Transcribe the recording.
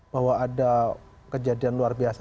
bahwa ada kejadian luar biasa